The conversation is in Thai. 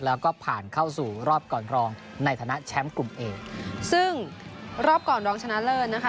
แล้วก็ผ่านเข้าสู่รอบก่อนรองในฐานะแชมป์กลุ่มเอซึ่งรอบก่อนรองชนะเลิศนะคะ